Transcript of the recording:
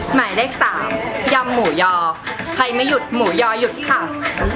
หมายเลขสามยำหมูยอใครไม่หยุดหมูยอหยุดค่ะ